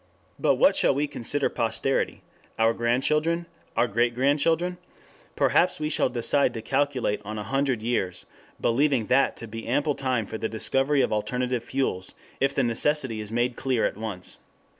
But what shall we consider posterity? Our grandchildren? Our great grandchildren? Perhaps we shall decide to calculate on a hundred years, believing that to be ample time for the discovery of alternative fuels if the necessity is made clear at once.